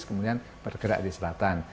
kemudian bergerak di selatan